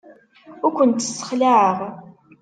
Ur kent-ssexlaɛeɣ.